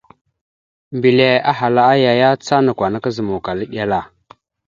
Mbile ahala aya ya, ca nakw ana kazǝmawkala eɗel a.